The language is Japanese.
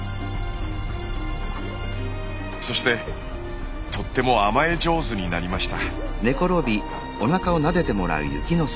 そしてとっても甘え上手になりました。